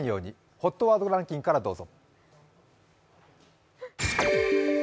ＨＯＴワードランキングからどうぞ。